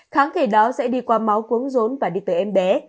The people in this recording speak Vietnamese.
kháng thể đó sẽ đi qua máu quấn rốn và đi tới em bé